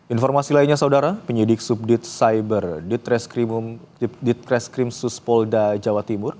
informasi lainnya saudara penyidik subdit cyber ditreskrim suspolda jawa timur